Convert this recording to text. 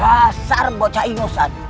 rasar bocah ingosan